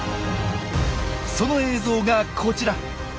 その映像がこちら。